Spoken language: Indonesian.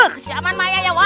kesialan ya ya ya